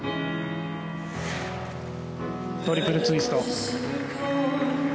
トリプルツイスト。